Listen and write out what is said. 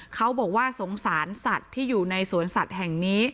เขาบอกว่าสงสารสัตว์ที่อยู่ในสวนสัตว์แห่งนี้